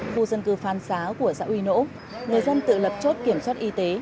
khu dân cư phan xá của xã uy nỗ người dân tự lập chốt kiểm soát y tế